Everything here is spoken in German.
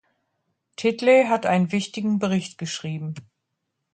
Titley hat einen wichtigen Bericht geschrieben.